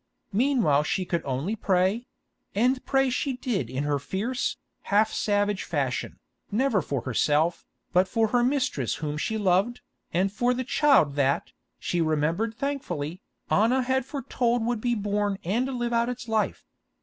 Meanwhile she could only pray; and pray she did in her fierce, half savage fashion, never for herself, but for her mistress whom she loved, and for the child that, she remembered thankfully, Anna had foretold would be born and live out its life.